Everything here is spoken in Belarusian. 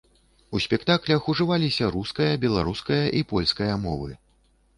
У спектаклях ужываліся руская, беларуская і польская мовы.